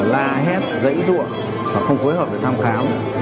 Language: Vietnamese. là la hét dãy ruộng không phối hợp để thăm khám